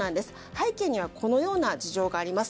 背景にはこのような事情があります。